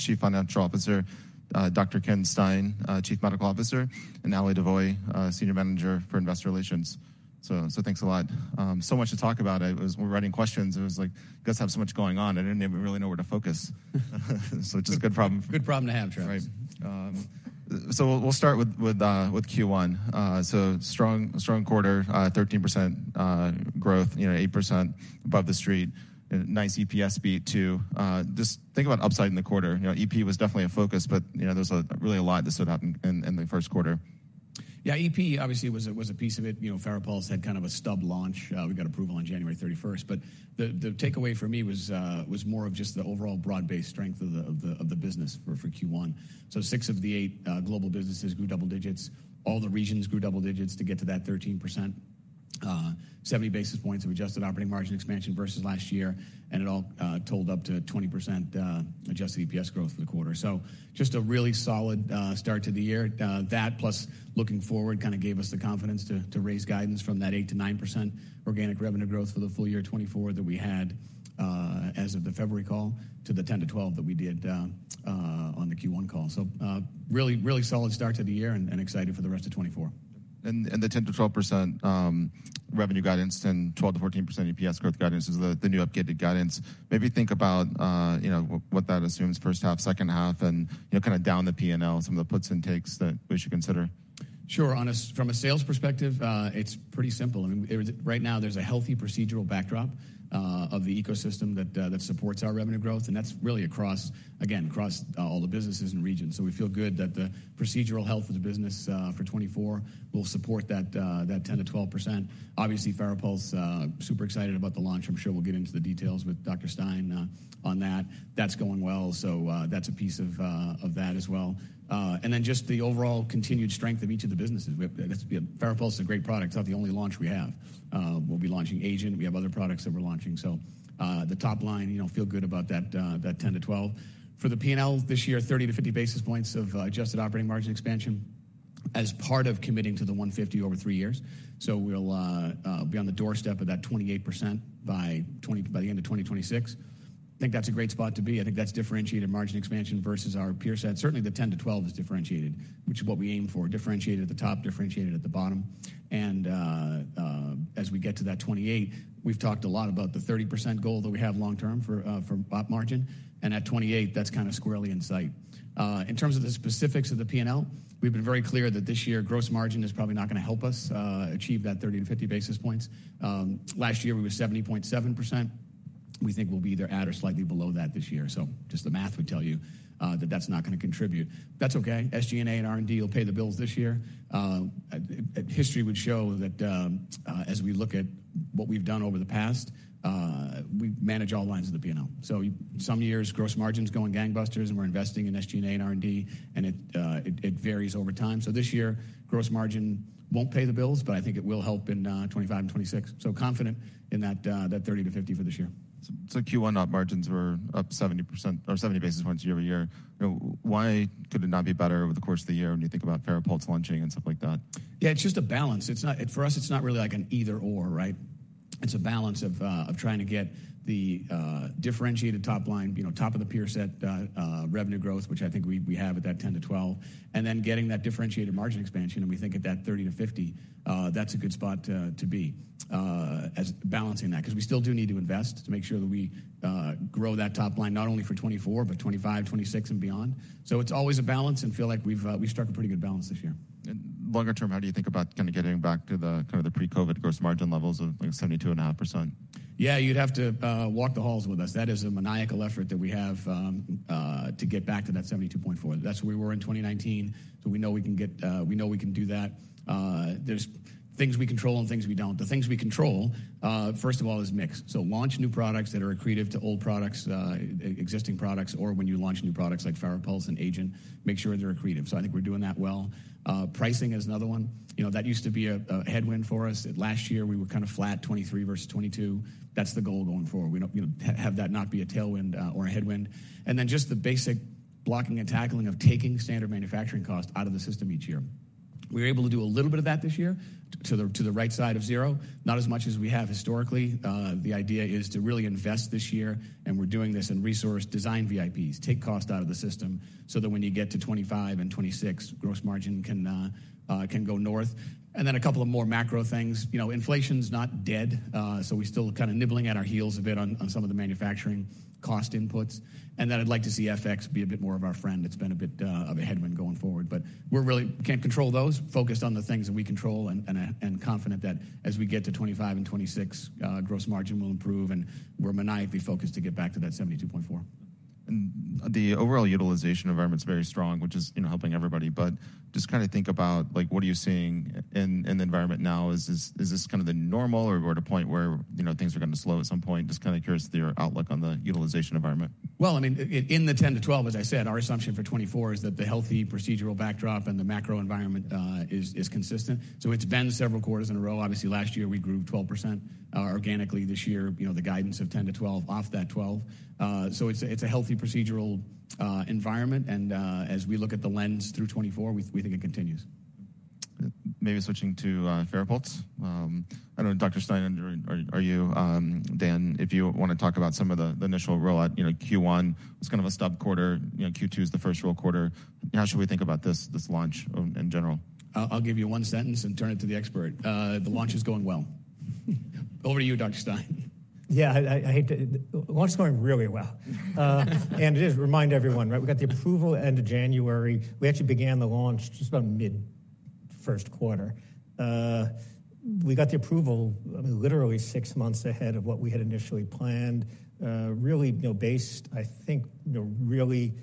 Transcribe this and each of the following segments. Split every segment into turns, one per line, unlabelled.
Brennan, Chief Financial Officer; Dr. Ken Stein, Chief Medical Officer; and Ally DeVoe, Senior Manager for Investor Relations. So thanks a lot. So much to talk about. We were writing questions. It was like, we guys have so much going on. I didn't even really know where to focus. So it's just a good problem.
Good problem to have, Travis.
Right. So we'll start with Q1. So strong quarter, 13% growth, 8% above the street. Nice EPS beat too. Just think about upside in the quarter. EP was definitely a focus, but there was really a lot that stood out in the first quarter.
Yeah, EP obviously was a piece of it. FARAPULSE had kind of a stub launch. We got approval on January 31st. But the takeaway for me was more of just the overall broad-based strength of the business for Q1. So 6 of the 8 global businesses grew double digits. All the regions grew double digits to get to that 13%. 70 basis points of adjusted operating margin expansion versus last year. And it all totaled up to 20% adjusted EPS growth for the quarter. So just a really solid start to the year. That, plus looking forward, kind of gave us the confidence to raise guidance from that 8%-9% organic revenue growth for the full year 2024 that we had as of the February call to the 10%-12% that we did on the Q1 call. Really, really solid start to the year and excited for the rest of 2024.
The 10%-12% revenue guidance and 12%-14% EPS growth guidance is the new updated guidance. Maybe think about what that assumes first half, second half, and kind of down the P&L, some of the puts and takes that we should consider.
Sure. From a sales perspective, it's pretty simple. I mean, right now there's a healthy procedural backdrop of the ecosystem that supports our revenue growth. And that's really across, again, across all the businesses and regions. So we feel good that the procedural health of the business for 2024 will support that 10%-12%. Obviously, FARAPULSE super excited about the launch. I'm sure we'll get into the details with Dr. Stein on that. That's going well. So that's a piece of that as well. And then just the overall continued strength of each of the businesses. FARAPULSE is a great product. It's not the only launch we have. We'll be launching AGENT. We have other products that we're launching. So the top line, feel good about that 10%-12%. For the P&L this year, 30-50 basis points of adjusted operating margin expansion as part of committing to the 150 over three years. So we'll be on the doorstep of that 28% by the end of 2026. I think that's a great spot to be. I think that's differentiated margin expansion versus our peer set. Certainly, the 10-12 is differentiated, which is what we aim for, differentiated at the top, differentiated at the bottom. And as we get to that 28, we've talked a lot about the 30% goal that we have long-term for op margin. And at 28, that's kind of squarely in sight. In terms of the specifics of the P&L, we've been very clear that this year gross margin is probably not going to help us achieve that 30-50 basis points. Last year we were 70.7%. We think we'll be either at or slightly below that this year. So just the math would tell you that that's not going to contribute. That's okay. SG&A and R&D will pay the bills this year. History would show that as we look at what we've done over the past, we manage all lines of the P&L. So some years gross margin's going gangbusters and we're investing in SG&A and R&D, and it varies over time. So this year gross margin won't pay the bills, but I think it will help in 2025 and 2026. So confident in that 30-50 for this year.
So Q1 op margins were up 70% or 70 basis points year-over-year. Why could it not be better over the course of the year when you think about FARAPULSE launching and stuff like that?
Yeah, it's just a balance. For us, it's not really like an either/or, right? It's a balance of trying to get the differentiated top line, top of the peer set revenue growth, which I think we have at that 10-12, and then getting that differentiated margin expansion. We think at that 30-50, that's a good spot to be as balancing that because we still do need to invest to make sure that we grow that top line not only for 2024 but 2025, 2026, and beyond. So it's always a balance and feel like we've struck a pretty good balance this year.
Longer term, how do you think about kind of getting back to the kind of the pre-COVID gross margin levels of 72.5%?
Yeah, you'd have to walk the halls with us. That is a maniacal effort that we have to get back to that 72.4. That's where we were in 2019. So we know we can get we know we can do that. There's things we control and things we don't. The things we control, first of all, is mix. So launch new products that are accretive to old products, existing products, or when you launch new products like FARAPULSE and AGENT, make sure they're accretive. So I think we're doing that well. Pricing is another one. That used to be a headwind for us. Last year we were kind of flat, 23 versus 22. That's the goal going forward. We don't have that not be a tailwind or a headwind. And then just the basic blocking and tackling of taking standard manufacturing costs out of the system each year. We were able to do a little bit of that this year to the right side of zero, not as much as we have historically. The idea is to really invest this year, and we're doing this in resource design VIPs, take cost out of the system so that when you get to 2025 and 2026, gross margin can go north. Then a couple of more macro things. Inflation's not dead, so we're still kind of nibbling at our heels a bit on some of the manufacturing cost inputs. Then I'd like to see FX be a bit more of our friend. It's been a bit of a headwind going forward, but we can't control those. Focused on the things that we control and confident that as we get to 2025 and 2026, gross margin will improve. We're maniacally focused to get back to that 72.4%.
The overall utilization environment's very strong, which is helping everybody. Just kind of think about what are you seeing in the environment now? Is this kind of the normal or at a point where things are going to slow at some point? Just kind of curious your outlook on the utilization environment.
Well, I mean, in the 10%-12%, as I said, our assumption for 2024 is that the healthy procedural backdrop and the macro environment is consistent. So it's been several quarters in a row. Obviously, last year we grew 12% organically. This year, the guidance of 10%-12%, off that 12%. So it's a healthy procedural environment. And as we look at the lens through 2024, we think it continues.
Maybe switching to FARAPULSE. I don't know, Dr. Stein, are you, Dan, if you want to talk about some of the initial roll-out. Q1 was kind of a stub quarter. Q2 is the first real quarter. How should we think about this launch in general?
I'll give you one sentence and turn it to the expert. The launch is going well. Over to you, Dr. Stein.
Yeah, the WATCHMAN launch is going really well. And it is, remind everyone, right? We got the approval end of January. We actually began the launch just about mid-first quarter. We got the approval literally six months ahead of what we had initially planned, really based, I think, really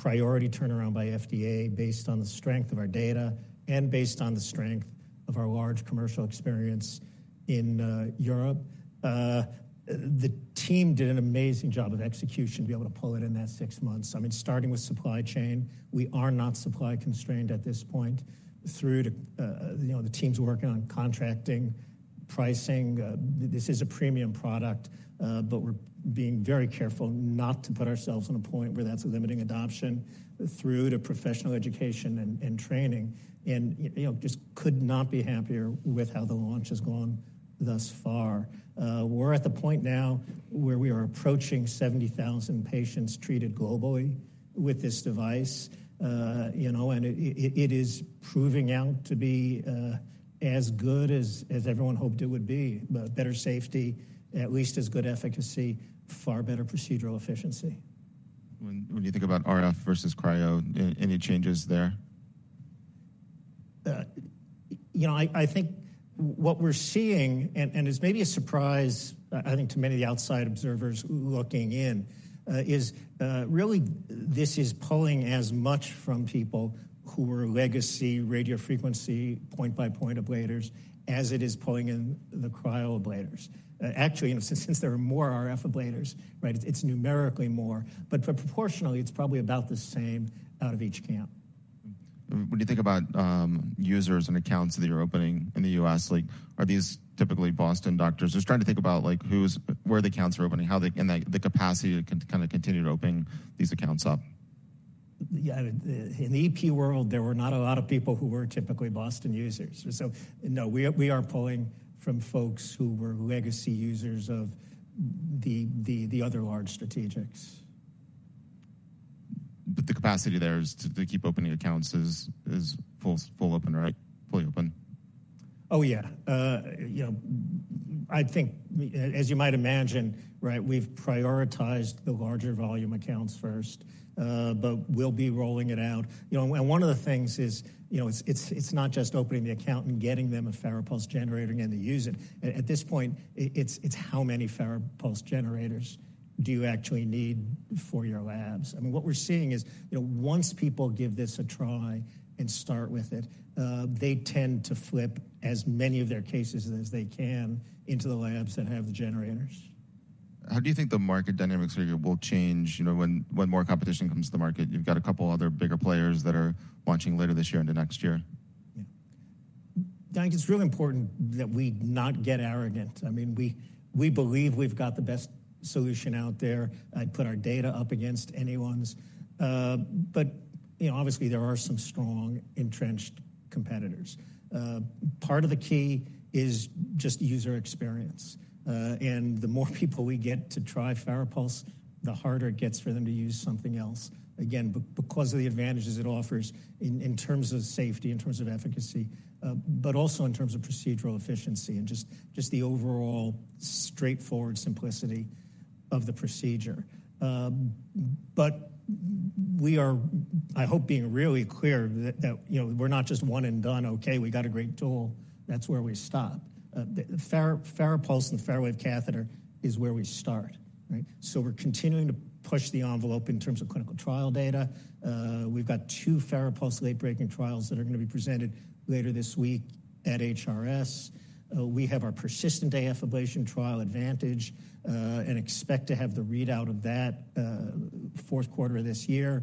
priority turnaround by FDA based on the strength of our data and based on the strength of our large commercial experience in Europe. The team did an amazing job of execution to be able to pull it in that six months. I mean, starting with supply chain, we are not supply constrained at this point. Through to the team's working on contracting, pricing, this is a premium product, but we're being very careful not to put ourselves in a position where that's limiting adoption. Through to professional education and training, and just could not be happier with how the launch has gone thus far. We're at the point now where we are approaching 70,000 patients treated globally with this device. It is proving out to be as good as everyone hoped it would be, better safety, at least as good efficacy, far better procedural efficiency.
When you think about RF versus cryo, any changes there?
I think what we're seeing, and it's maybe a surprise, I think, to many of the outside observers looking in, is really this is pulling as much from people who were legacy radio frequency point-by-point ablators as it is pulling in the cryo ablators. Actually, since there are more RF ablators, right, it's numerically more. But proportionally, it's probably about the same out of each camp.
When you think about users and accounts that you're opening in the U.S., are these typically Boston doctors? Just trying to think about where the accounts are opening and the capacity to kind of continue to open these accounts up.
Yeah, in the EP world, there were not a lot of people who were typically Boston users. So no, we are pulling from folks who were legacy users of the other large strategics.
But the capacity there is to keep opening accounts is full open, right? Fully open?
Oh, yeah. I think, as you might imagine, right, we've prioritized the larger volume accounts first, but we'll be rolling it out. And one of the things is it's not just opening the account and getting them a FARAPULSE generator and then they use it. At this point, it's how many FARAPULSE generators do you actually need for your labs? I mean, what we're seeing is once people give this a try and start with it, they tend to flip as many of their cases as they can into the labs that have the generators.
How do you think the market dynamics here will change when more competition comes to the market? You've got a couple other bigger players that are launching later this year into next year.
Yeah. Dan, it's really important that we not get arrogant. I mean, we believe we've got the best solution out there. I'd put our data up against anyone's. But obviously, there are some strong entrenched competitors. Part of the key is just user experience. And the more people we get to try FARAPULSE, the harder it gets for them to use something else, again, because of the advantages it offers in terms of safety, in terms of efficacy, but also in terms of procedural efficiency and just the overall straightforward simplicity of the procedure. But we are, I hope, being really clear that we're not just one and done. Okay, we got a great tool. That's where we stop. FARAPULSE and the FARAWAVE catheter is where we start, right? So we're continuing to push the envelope in terms of clinical trial data. We've got 2 FARAPULSE late-breaking trials that are going to be presented later this week at HRS. We have our persistent AF ablation trial, ADVANTAGE, and expect to have the readout of that fourth quarter of this year.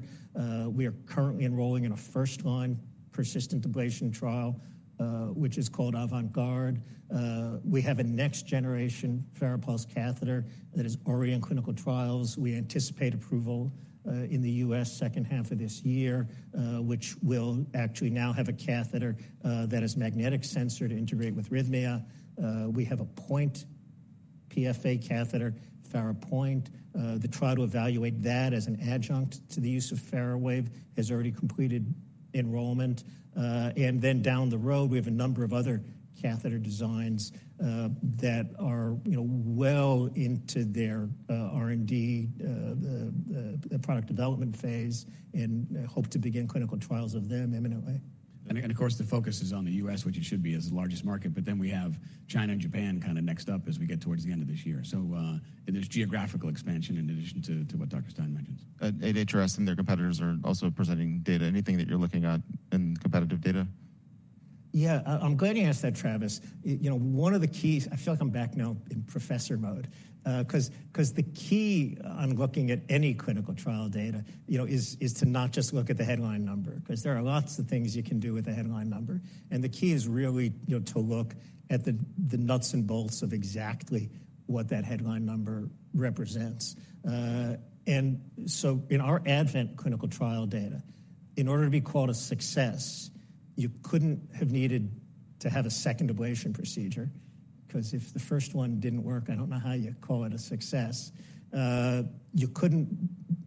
We are currently enrolling in a first-line persistent ablation trial, which is called AVANT GUARD. We have a next-generation FARAPULSE catheter that is already in clinical trials. We anticipate approval in the U.S. second half of this year, which will actually now have a catheter that is magnetic sensor to integrate with RHYTHMIA. We have a FARAPOINT PFA catheter, FARAPOINT. The trial to evaluate that as an adjunct to the use of FARAWAVE has already completed enrollment. And then down the road, we have a number of other catheter designs that are well into their R&D, the product development phase, and hope to begin clinical trials of them imminently. Of course, the focus is on the U.S., which it should be as the largest market. Then we have China and Japan kind of next up as we get towards the end of this year. There's geographical expansion in addition to what Dr. Stein mentioned.
At HRS and their competitors are also presenting data. Anything that you're looking at in competitive data?
Yeah, I'm glad you asked that, Travis. One of the keys I feel like I'm back now in professor mode because the key I'm looking at any clinical trial data is to not just look at the headline number because there are lots of things you can do with the headline number. And the key is really to look at the nuts and bolts of exactly what that headline number represents. And so in our ADVENT clinical trial data, in order to be called a success, you couldn't have needed to have a second ablation procedure because if the first one didn't work, I don't know how you call it a success. You couldn't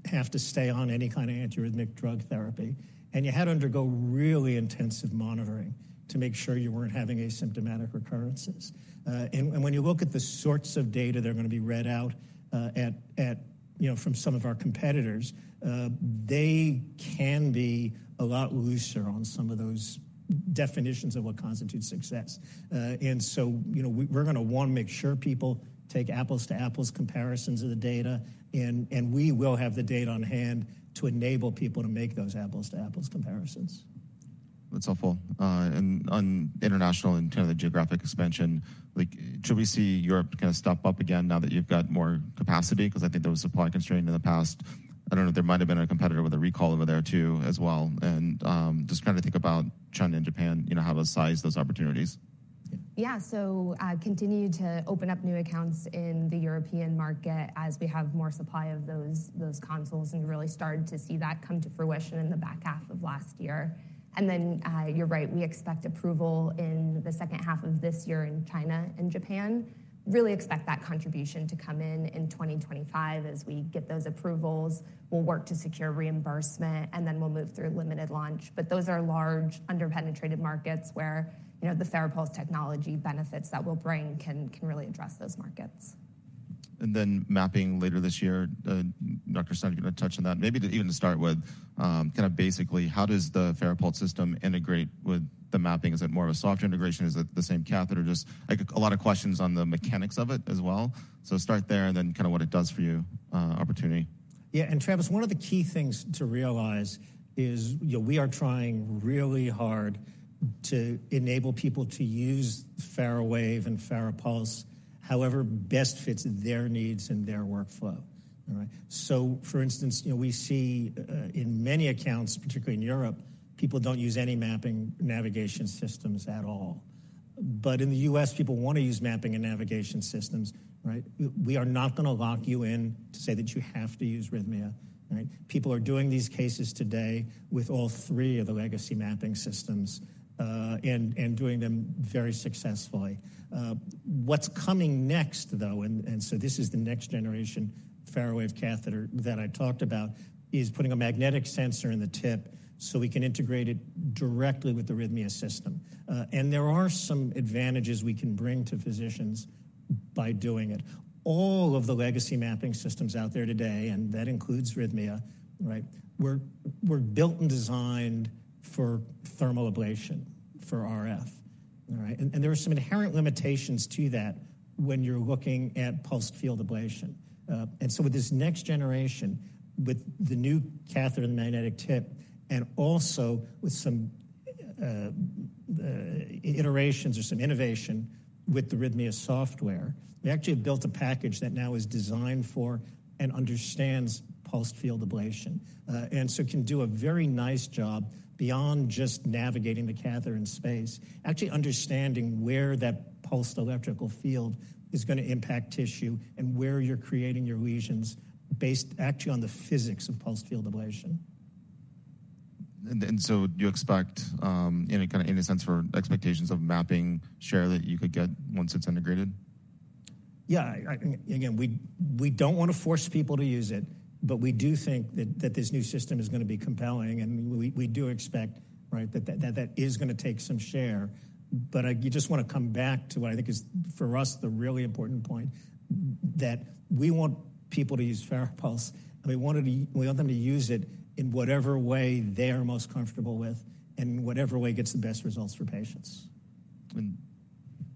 have to stay on any kind of antiarrhythmic drug therapy. And you had to undergo really intensive monitoring to make sure you weren't having asymptomatic recurrences. When you look at the sorts of data that are going to be read out from some of our competitors, they can be a lot looser on some of those definitions of what constitutes success. So we're going to want to make sure people take apples-to-apples comparisons of the data. We will have the data on hand to enable people to make those apples-to-apples comparisons.
That's helpful. And on international and kind of the geographic expansion, should we see Europe kind of step up again now that you've got more capacity? Because I think there was supply constraint in the past. I don't know. There might have been a competitor with a recall over there too as well. And just trying to think about China and Japan, how to size those opportunities.
Yeah, so continue to open up new accounts in the European market as we have more supply of those consoles and really start to see that come to fruition in the back half of last year. And then you're right. We expect approval in the second half of this year in China and Japan. Really expect that contribution to come in in 2025 as we get those approvals. We'll work to secure reimbursement, and then we'll move through limited launch. But those are large under-penetrated markets where the FARAPULSE technology benefits that we'll bring can really address those markets.
Then mapping later this year, Dr. Stein is going to touch on that. Maybe even to start with, kind of basically, how does the FARAPULSE system integrate with the mapping? Is it more of a soft integration? Is it the same catheter? Just a lot of questions on the mechanics of it as well. So start there and then kind of what it does for you, opportunity.
Yeah, and Travis, one of the key things to realize is we are trying really hard to enable people to use FARAWAVE and FARAPULSE however best fits their needs and their workflow, all right? So for instance, we see in many accounts, particularly in Europe, people don't use any mapping navigation systems at all. But in the U.S., people want to use mapping and navigation systems, right? We are not going to lock you in to say that you have to use RHYTHMIA, right? People are doing these cases today with all three of the legacy mapping systems and doing them very successfully. What's coming next, though, and so this is the next-generation FARAWAVE catheter that I talked about, is putting a magnetic sensor in the tip so we can integrate it directly with the RHYTHMIA system. And there are some advantages we can bring to physicians by doing it. All of the legacy mapping systems out there today, and that includes RHYTHMIA, right, were built and designed for thermal ablation, for RF, all right? And there were some inherent limitations to that when you're looking at pulse field ablation. And so with this next generation, with the new catheter and the magnetic tip, and also with some iterations or some innovation with the RHYTHMIA software, we actually have built a package that now is designed for and understands pulse field ablation. And so can do a very nice job beyond just navigating the catheter in space, actually understanding where that pulse electrical field is going to impact tissue and where you're creating your lesions based actually on the physics of pulse field ablation.
Do you expect, kind of in a sense, for expectations of mapping share that you could get once it's integrated?
Yeah, again, we don't want to force people to use it, but we do think that this new system is going to be compelling. We do expect, right, that that is going to take some share. You just want to come back to what I think is, for us, the really important point, that we want people to use FARAPULSE. We want them to use it in whatever way they are most comfortable with and in whatever way gets the best results for patients.
And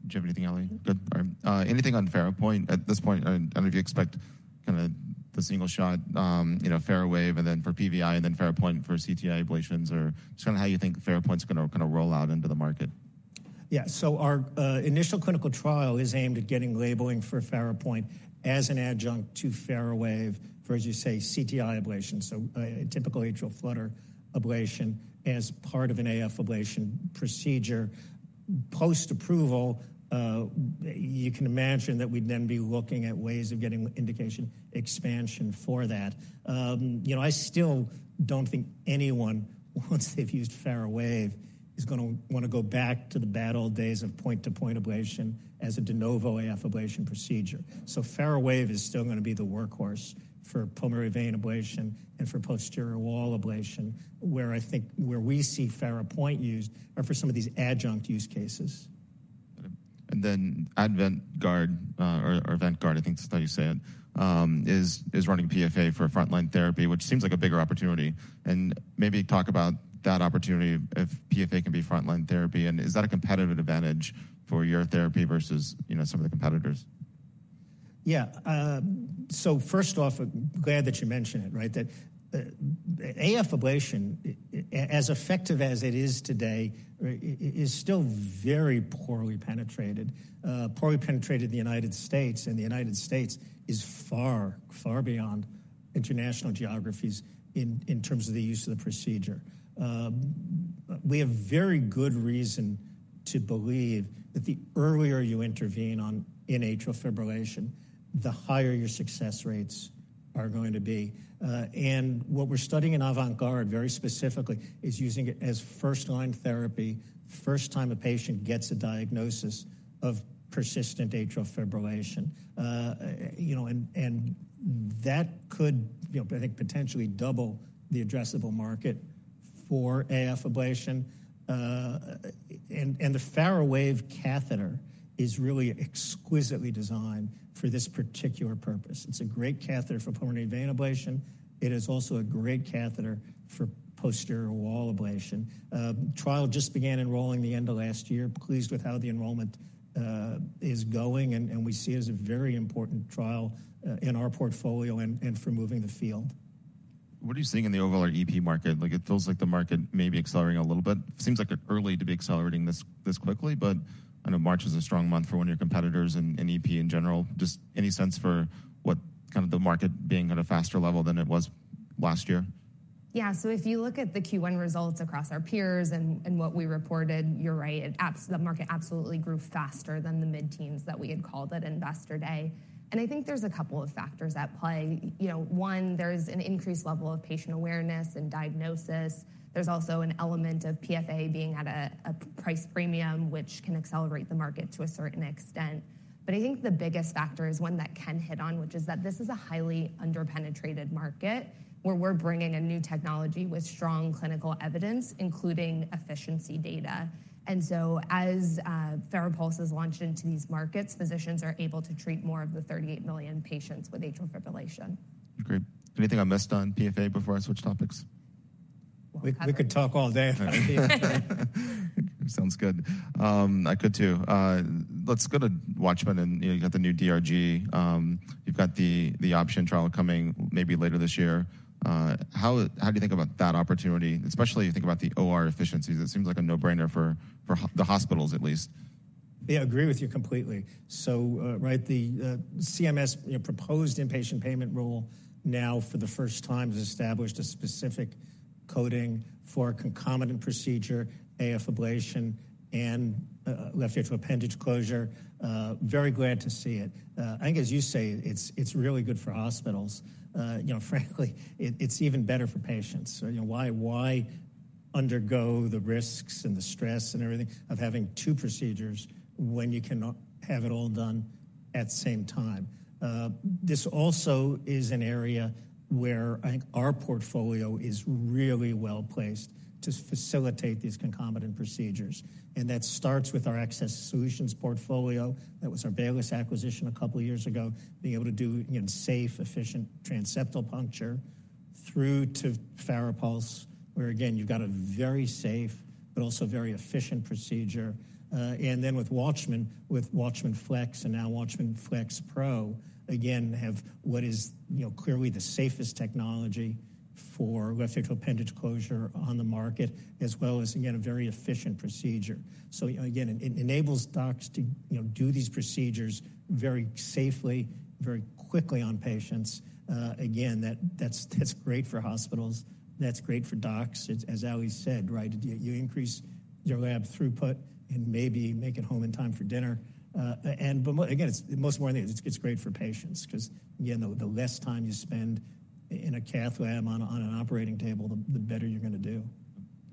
do you have anything, Ally? Good. All right. Anything on FARAPOINT at this point? I don't know if you expect kind of the single shot, FARAWAVE, and then for PVI, and then FARAPOINT for CTI ablations, or just kind of how you think FARAPOINT's going to kind of roll out into the market.
Yeah, so our initial clinical trial is aimed at getting labeling for FARAPOINT as an adjunct to FARAWAVE for, as you say, CTI ablation, so typical atrial flutter ablation as part of an AF ablation procedure. Post-approval, you can imagine that we'd then be looking at ways of getting indication expansion for that. I still don't think anyone, once they've used FARAWAVE, is going to want to go back to the bad old days of point-to-point ablation as a de novo AF ablation procedure. So FARAWAVE is still going to be the workhorse for pulmonary vein ablation and for posterior wall ablation, where I think we see FARAPOINT used are for some of these adjunct use cases.
Got it. And then AVANT GUARD, or AVANT GUARD, I think is how you say it, is running PFA for frontline therapy, which seems like a bigger opportunity. And maybe talk about that opportunity if PFA can be frontline therapy. And is that a competitive advantage for your therapy versus some of the competitors?
Yeah. So first off, glad that you mentioned it, right? That AF ablation, as effective as it is today, is still very poorly penetrated, poorly penetrated in the United States. The United States is far, far beyond international geographies in terms of the use of the procedure. We have very good reason to believe that the earlier you intervene in atrial fibrillation, the higher your success rates are going to be. What we're studying in AVANT GUARD very specifically is using it as first-line therapy the first time a patient gets a diagnosis of persistent atrial fibrillation. That could, I think, potentially double the addressable market for AF ablation. The FARAWAVE catheter is really exquisitely designed for this particular purpose. It's a great catheter for pulmonary vein ablation. It is also a great catheter for posterior wall ablation. Trial just began enrolling the end of last year. Pleased with how the enrollment is going. We see it as a very important trial in our portfolio and for moving the field.
What are you seeing in the overall EP market? It feels like the market may be accelerating a little bit. It seems like early to be accelerating this quickly. But I know March is a strong month for one of your competitors and EP in general. Just any sense for what kind of the market being at a faster level than it was last year?
Yeah, so if you look at the Q1 results across our peers and what we reported, you're right. The market absolutely grew faster than the mid-teens that we had called at Investor Day. And I think there's a couple of factors at play. One, there's an increased level of patient awareness and diagnosis. There's also an element of PFA being at a price premium, which can accelerate the market to a certain extent. But I think the biggest factor is one that Ken hit on, which is that this is a highly under-penetrated market where we're bringing a new technology with strong clinical evidence, including efficiency data. And so as FARAPULSE is launched into these markets, physicians are able to treat more of the 38 million patients with atrial fibrillation.
Great. Anything I missed on PFA before I switch topics?
We could talk all day.
Sounds good. I could too. Let's go to WATCHMAN. You've got the new DRG. You've got the OPTION Trial coming maybe later this year. How do you think about that opportunity, especially if you think about the OR efficiencies? It seems like a no-brainer for the hospitals, at least.
Yeah, I agree with you completely. So, right, the CMS proposed inpatient payment rule now for the first time has established a specific coding for concomitant procedure, AF ablation, and left atrial appendage closure. Very glad to see it. I think, as you say, it's really good for hospitals. Frankly, it's even better for patients. Why undergo the risks and the stress and everything of having two procedures when you can have it all done at the same time? This also is an area where I think our portfolio is really well placed to facilitate these concomitant procedures. And that starts with our Access Solutions portfolio. That was our Baylis acquisition a couple of years ago, being able to do safe, efficient transseptal puncture through to FARAPULSE, where, again, you've got a very safe but also very efficient procedure. And then with WATCHMAN, with WATCHMAN FLX and now WATCHMAN FLX Pro, again, have what is clearly the safest technology for left atrial appendage closure on the market, as well as, again, a very efficient procedure. So, again, it enables docs to do these procedures very safely, very quickly on patients. Again, that's great for hospitals. That's great for docs, as Ali said, right? You increase your lab throughput and maybe make it home in time for dinner. And, again, it's most importantly, it's great for patients because, again, the less time you spend in a cath lab on an operating table, the better you're going to do.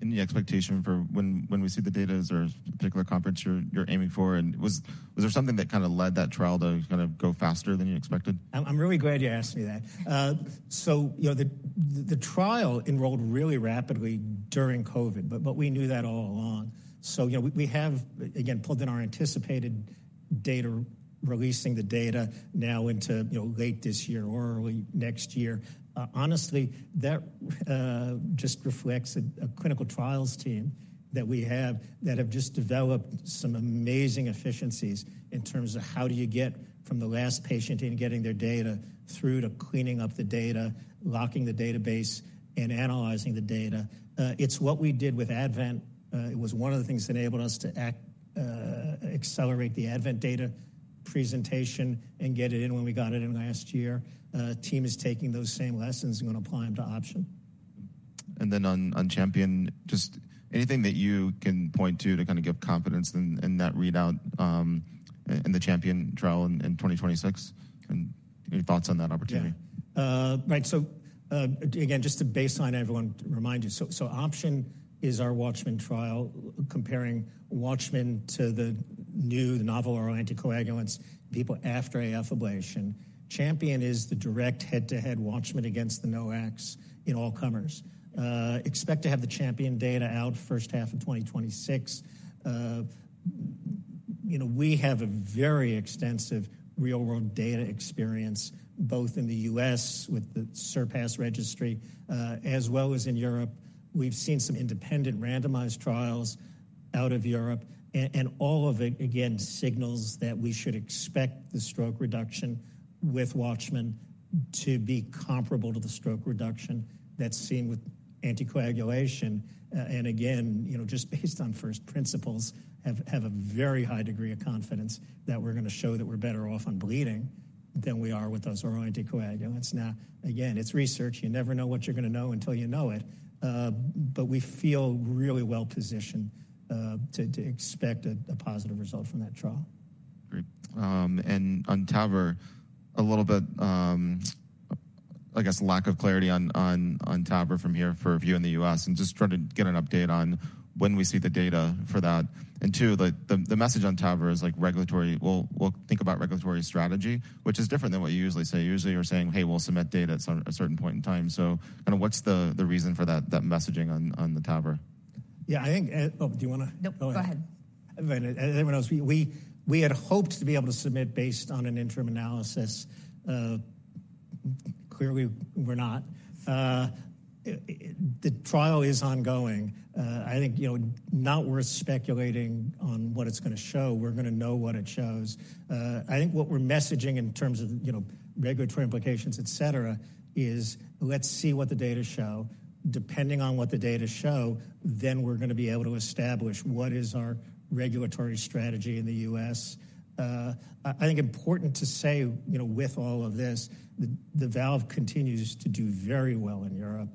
Any expectation for when we see the data? Is there a particular conference you're aiming for? And was there something that kind of led that trial to kind of go faster than you expected?
I'm really glad you asked me that. So the trial enrolled really rapidly during COVID. But we knew that all along. So we have, again, pulled in our anticipated data, releasing the data now into late this year or early next year. Honestly, that just reflects a clinical trials team that we have that have just developed some amazing efficiencies in terms of how do you get from the last patient in getting their data through to cleaning up the data, locking the database, and analyzing the data. It's what we did with Advent. It was one of the things that enabled us to accelerate the Advent data presentation and get it in when we got it in last year. The team is taking those same lessons and going to apply them to OPTION.
On CHAMPION, just anything that you can point to to kind of give confidence in that readout in the CHAMPION trial in 2026? Any thoughts on that opportunity?
Yeah, right. So, again, just to baseline, I want to remind you. So OPTION is our WATCHMAN trial, comparing WATCHMAN to the new, the novel oral anticoagulants to people after AF ablation. Champion is the direct head-to-head WATCHMAN against the NOACs in all comers. Expect to have the CHAMPION data out first half of 2026. We have a very extensive real-world data experience, both in the U.S. with the SURPASS registry, as well as in Europe. We've seen some independent randomized trials out of Europe. And all of it, again, signals that we should expect the stroke reduction with WATCHMAN to be comparable to the stroke reduction that's seen with anticoagulation. And, again, just based on first principles, have a very high degree of confidence that we're going to show that we're better off on bleeding than we are with those oral anticoagulants. Now, again, it's research. You never know what you're going to know until you know it. But we feel really well positioned to expect a positive result from that trial.
Great. And on TAVR, a little bit, I guess, lack of clarity on TAVR from here for you in the U.S. and just trying to get an update on when we see the data for that. And two, the message on TAVR is regulatory. We'll think about regulatory strategy, which is different than what you usually say. Usually, you're saying, "Hey, we'll submit data at a certain point in time." So kind of what's the reason for that messaging on the TAVR?
Yeah, I think, oh, do you want to go ahead?
Nope, go ahead.
Anyone else? We had hoped to be able to submit based on an interim analysis. Clearly, we're not. The trial is ongoing. I think not worth speculating on what it's going to show. We're going to know what it shows. I think what we're messaging in terms of regulatory implications, etc., is let's see what the data show. Depending on what the data show, then we're going to be able to establish what is our regulatory strategy in the U.S. I think important to say with all of this, the valve continues to do very well in Europe.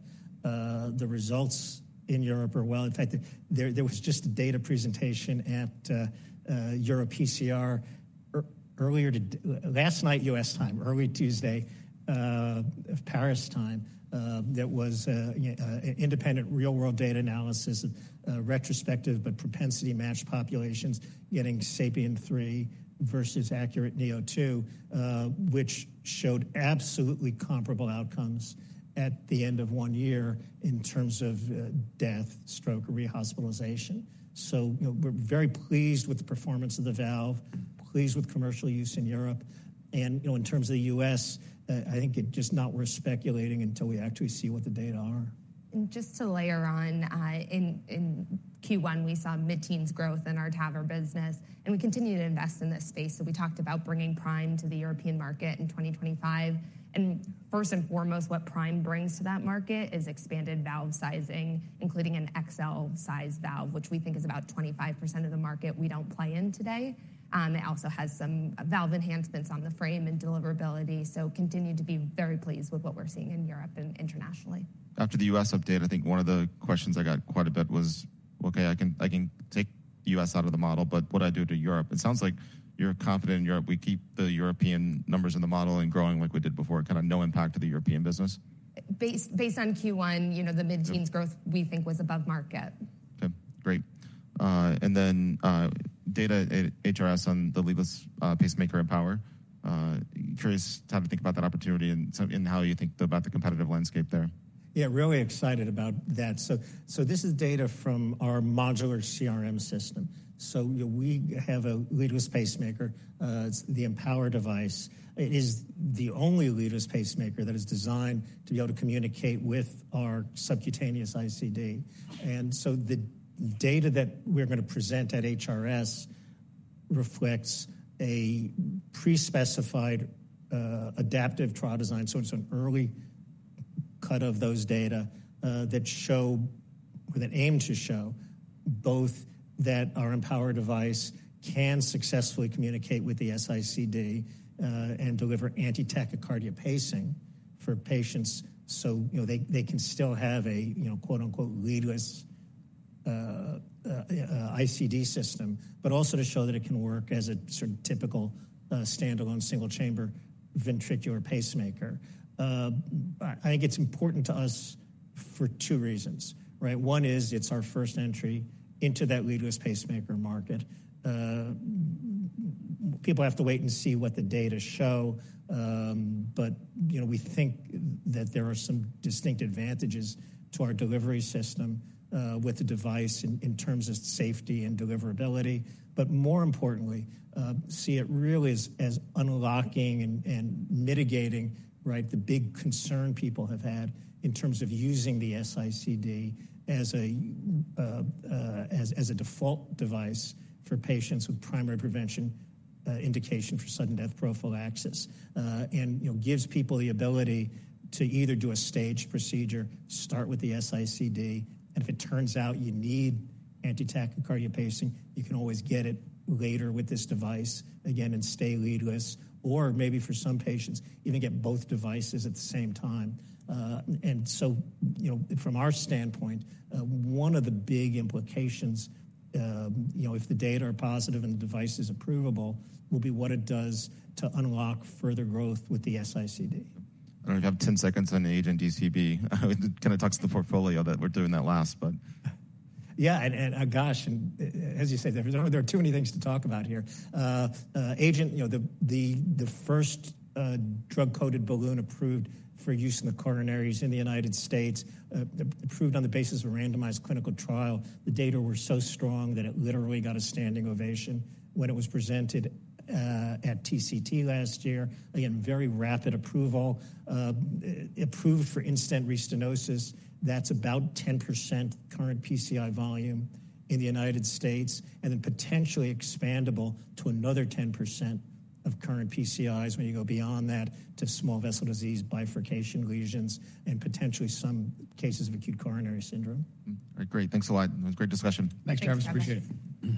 The results in Europe are well. In fact, there was just a data presentation at EuroPCR earlier last night, U.S. time, early Tuesday, Paris time, that was independent real-world data analysis of retrospective but propensity-matched populations getting SAPIEN 3 versus ACURATE neo2, which showed absolutely comparable outcomes at the end of one year in terms of death, stroke, or rehospitalization. So we're very pleased with the performance of the valve, pleased with commercial use in Europe. And in terms of the U.S., I think it's just not worth speculating until we actually see what the data are.
Just to layer on, in Q1, we saw mid-teens growth in our TAVR business. We continue to invest in this space. We talked about bringing Prime to the European market in 2025. First and foremost, what Prime brings to that market is expanded valve sizing, including an XL-sized valve, which we think is about 25% of the market we don't play in today. It also has some valve enhancements on the frame and deliverability. We continue to be very pleased with what we're seeing in Europe and internationally.
After the U.S. update, I think one of the questions I got quite a bit was, "OK, I can take the U.S. out of the model. But what do I do to Europe?" It sounds like you're confident in Europe. We keep the European numbers in the model and growing like we did before. Kind of no impact to the European business?
Based on Q1, the mid-teens growth, we think, was above market.
OK, great. And then, data at HRS on the leadless pacemaker EMPOWER. Curious how to think about that opportunity and how you think about the competitive landscape there?
Yeah, really excited about that. So this is data from our modular CRM system. So we have a leadless pacemaker. It's the EMPOWER device. It is the only leadless pacemaker that is designed to be able to communicate with our subcutaneous ICD. And so the data that we're going to present at HRS reflects a pre-specified adaptive trial design, so it's an early cut of those data that show with an aim to show both that our EMPOWER device can successfully communicate with the S-ICD and deliver anti-tachycardia pacing for patients so they can still have a "leadless" ICD system, but also to show that it can work as a sort of typical standalone single-chamber ventricular pacemaker. I think it's important to us for two reasons, right? One is it's our first entry into that leadless pacemaker market. People have to wait and see what the data show. But we think that there are some distinct advantages to our delivery system with the device in terms of safety and deliverability. But more importantly, see it really as unlocking and mitigating the big concern people have had in terms of using the S-ICD as a default device for patients with primary prevention indication for sudden death prophylaxis and gives people the ability to either do a staged procedure, start with the S-ICD, and if it turns out you need anti-tachycardia pacing, you can always get it later with this device, again, and stay leadless, or maybe for some patients, even get both devices at the same time. And so from our standpoint, one of the big implications, if the data are positive and the device is approvable, will be what it does to unlock further growth with the S-ICD.
I don't know if you have 10 seconds on AGENT DCB. It kind of talks to the portfolio that we're doing that last, but.
Yeah, and gosh, and as you say, there are too many things to talk about here. AGENT, the first drug-coated balloon approved for use in the coronaries in the United States, approved on the basis of a randomized clinical trial. The data were so strong that it literally got a standing ovation when it was presented at TCT last year. Again, very rapid approval. Approved for in-stent restenosis. That's about 10% current PCI volume in the United States and then potentially expandable to another 10% of current PCIs when you go beyond that to small vessel disease, bifurcation lesions, and potentially some cases of acute coronary syndrome.
All right, great. Thanks a lot. It was a great discussion.
Thanks, Travis. Appreciate it.